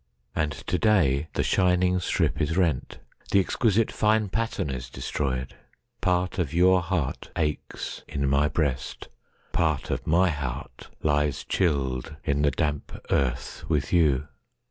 And to dayThe shining strip is rent; the exquisiteFine pattern is destroyed; part of your heartAches in my breast; part of my heart lies chilledIn the damp earth with you.